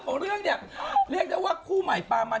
ตอนนี้เนี่ยข่าวดาร้าจบยังเท่าไหร่